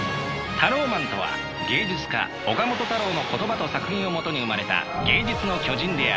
タローマンとは芸術家岡本太郎の言葉と作品を基に生まれた芸術の巨人である。